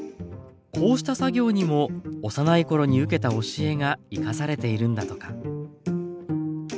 こうした作業にも幼い頃に受けた教えが生かされているんだとか。